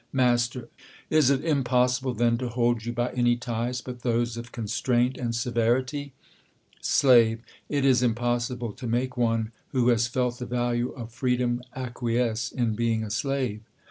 Mast, Is it impossible, then, to hold you by aay ties but those of constraint and severity ? Slave, It is impossible to make one, who has felt the value of freedom, acquiesce in being a slave.